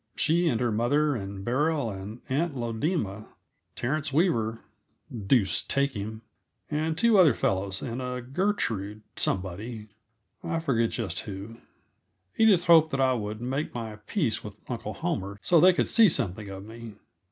She and her mother, and Beryl and Aunt Lodema, Terence Weaver deuce take him! and two other fellows, and a Gertrude somebody I forget just who. Edith hoped that I would make my peace with Uncle Homer, so they could see something of me.